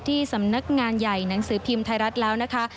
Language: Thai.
ที่สำนักงานใหญ่หนังสือพิมพ์ไทยรัฐแล้วนะคะ